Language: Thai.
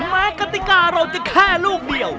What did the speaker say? กติกาเราจะแค่ลูกเดียว